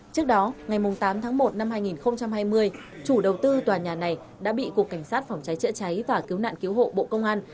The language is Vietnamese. trước đó ngày tám tháng một năm hai nghìn hai mươi chủ đầu tư tòa nhà này đã bị cục cảnh sát phòng cháy chữa cháy và cứu nạn cứu hộ bộ công an